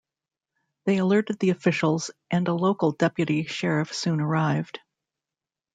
They alerted the officials and a local deputy sheriff soon arrived.